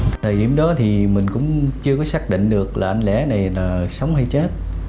thời điểm đó thì mình cũng chưa có xác định được là anh lẻ này sống hay chết